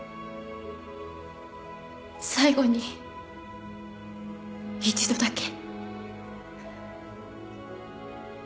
最後に一度だけ。